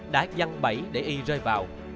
đã dăng bẫy để y rơi vào